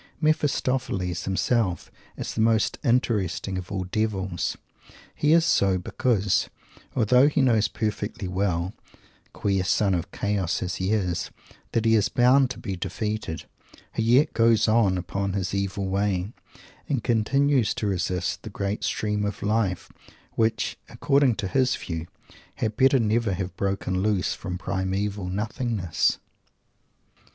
Mephistopheles himself is the most interesting of all Devils. And he is so because, although he knows perfectly well queer Son of Chaos as he is that he is bound to be defeated, he yet goes on upon his evil way, and continues to resist the great stream of Life which, according to his view, had better never have broken loose from primeval Nothingness.